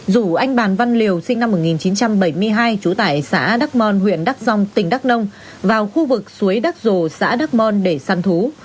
rủ anh bàn văn liều sinh năm một nghìn chín trăm bảy mươi hai chú tải xã đắc mon huyện đắc dông tỉnh đắc nông vào khu vực suối đắc rồ xã đắc mon để săn thú